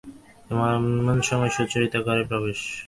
এমন সময় সুচরিতা ঘরে প্রবেশ করিল।